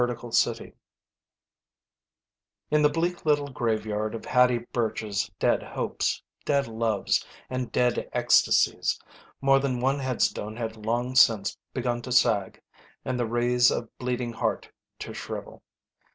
THE SMUDGE In the bleak little graveyard of Hattie Bertch's dead hopes, dead loves, and dead ecstasies, more than one headstone had long since begun to sag and the wreaths of bleeding heart to shrivel.